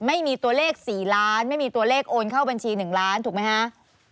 ไม่มีตัวเลข๔ล้านไม่มีตัวเลขโอนเข้าบัญชี๑ล้านถูกไหมฮะ